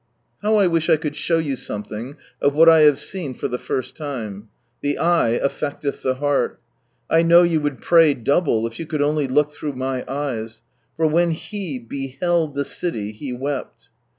How I wish I could show you something of what 1 have seen for the first From Shanghai to Matsuye ii time. The eye affecteth the heart. I know you would |tray double if you could only look through my eyes, for " when He beheld the city, He wept